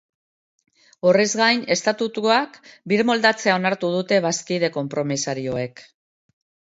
Horrez gain, estatutuak birmoldatzea onartu dute bazkide konpromisarioek.